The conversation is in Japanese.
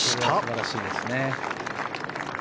素晴らしいですね。